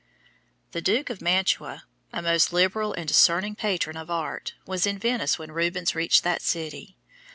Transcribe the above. The Duke of Mantua, a most liberal and discerning patron of art, was in Venice when Rubens reached that city.